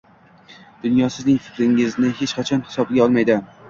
Dunyo sizning fikringizni hech qachon hisobga olmaydi